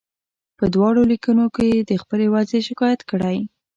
په دواړو لیکونو کې یې د خپلې وضعې شکایت کړی.